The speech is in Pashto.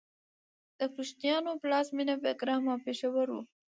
د کوشانیانو پلازمینه بګرام او پیښور و